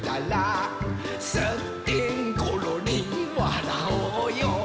「すってんころりんわらおうよ」